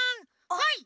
はい！